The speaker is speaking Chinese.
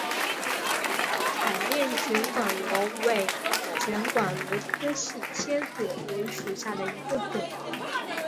彩炼卷管螺为卷管螺科细切嘴螺属下的一个种。